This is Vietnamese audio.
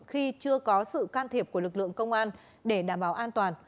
khi chưa có sự can thiệp của lực lượng công an để đảm bảo an toàn